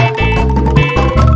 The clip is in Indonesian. yang dulu nyiksa kita